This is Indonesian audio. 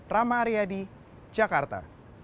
rama aryadi jakarta